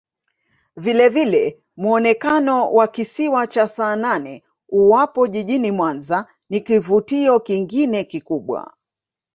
Vilevile muonekano wa Kisiwa cha Saanane uwapo jijini Mwanza ni kivutio kingine kikubwa